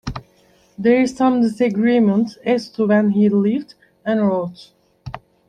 There is some disagreement as to when he lived and wrote.